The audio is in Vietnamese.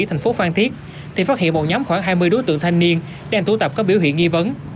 thành phố phan thiết thì phát hiện một nhóm khoảng hai mươi đối tượng thanh niên đang tụ tập có biểu hiện nghi vấn